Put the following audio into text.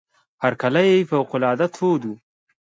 هرکلی فوق العاده تود وو.